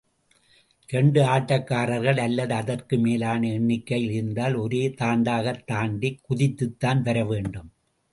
இரண்டு ஆட்டக்காரர்கள் அல்லது அதற்கும் மேலான எண்ணிக்கையில் இருந்தால், ஒரே தாண்டாகத் தாண்டிக் குதித்துத்தான் வர வேண்டும்.